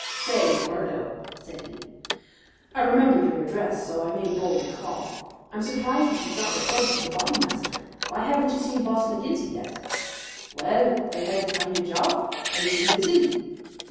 "Say, McMurdo," said he, "I remembered your address, so I made bold to call. I'm surprised that you've not reported to the Bodymaster. Why haven't you seen Boss McGinty yet?" "Well, I had to find a job. I have been busy."